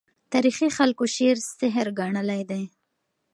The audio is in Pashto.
تاریخي خلکو شعر سحر ګڼلی دی.